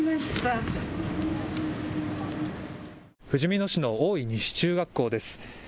ふじみ野市の大井西中学校です。